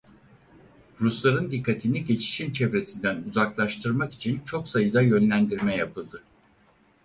Rusların dikkatini geçişin çevresinden uzaklaştırmak için çok sayıda yönlendirme yapıldı.